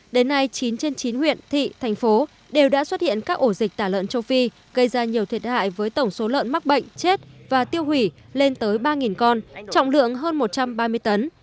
đến nay chín trên chín huyện thị thành phố đều đã xuất hiện các ổ dịch tả lợn châu phi gây ra nhiều thiệt hại với tổng số lợn mắc bệnh chết và tiêu hủy lên tới ba con trọng lượng hơn một trăm ba mươi tấn